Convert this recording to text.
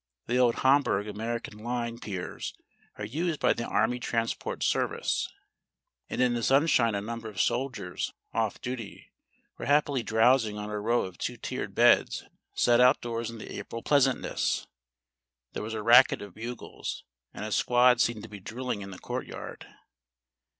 The old Hamburg American line piers are used by the Army Transport Service, and in the sunshine a number of soldiers, off duty, were happily drowsing on a row of two tiered beds set outdoors in the April pleasantness. There was a racket of bugles, and a squad seemed to be drilling in the courtyard.